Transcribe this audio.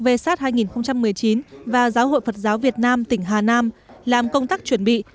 vsat hai nghìn một mươi chín và giáo hội phật giáo việt nam tỉnh hà nam làm công tác chuẩn bị